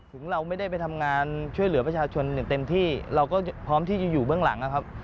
ถึงเราไม่ได้ไปทำงานช่วยเหลือประชาชนอย่างเต็มที่เราก็พร้อมที่จะอยู่เบื้องหลังนะครับ